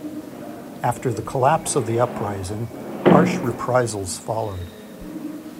After the collapse of the uprising, harsh reprisals followed.